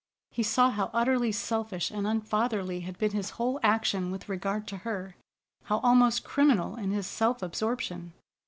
He saw how utterly selfish and unfatherly had been his whole action with regard to her; how almost criminal in his self absorption.